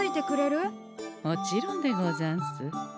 もちろんでござんす。